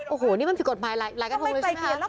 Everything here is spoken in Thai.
โอ้โหนี่มันผิดกฎไปอะไรกับธุรกิจนะ